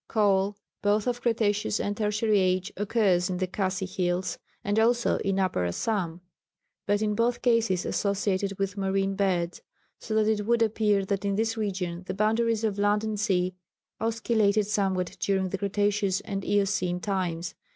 Coal both of Cretaceous and Tertiary age occurs in the Khasi hills, and also in Upper Assam, but in both cases associated with marine beds; so that it would appear that in this region the boundaries of land and sea oscillated somewhat during Cretaceous and Eocene times.